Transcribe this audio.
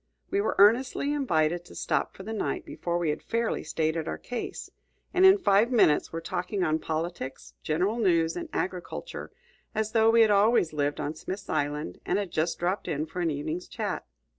We were earnestly invited to stop for the night before we had fairly stated our case, and in five minutes were talking on politics, general news, and agriculture, as though we had always lived on Smith's Island and had just dropped in for an evening's chat.